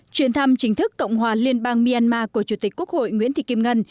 chuyến thăm chính thức cộng hòa liên bang myanmar của chủ tịch quốc hội nguyễn thị kim ngân